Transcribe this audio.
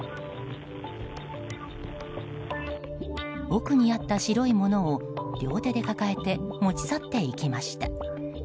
奥にあった白いものを両手で抱えて持ち去っていきました。